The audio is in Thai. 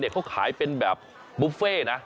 เขาขายเป็นแบบบุฟเฟ่นะ